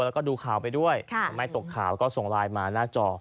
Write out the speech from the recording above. แล้วก็ดูข่าวไปด้วยไม่ตกข่าวก็ส่งลายมาหน้าจอ